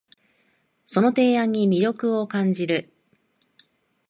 その提案に魅力を感じる